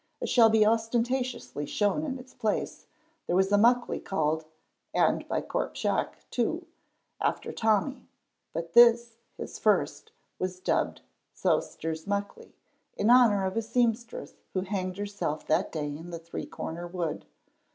As shall be ostentatiously shown in its place, there was a Muckley called (and by Corp Shiach, too) after Tommy, but this, his first, was dubbed Sewster's Muckley, in honor of a seamstress who hanged herself that day in the Three cornered Wood.